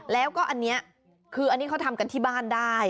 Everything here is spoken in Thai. แล้วก็อันนี้คืออันนี้เขาทำกันที่บ้านได้